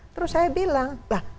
terus saya bilang